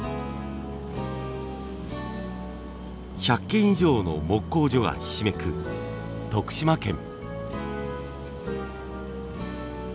１００軒以上の木工所がひしめく徳島県。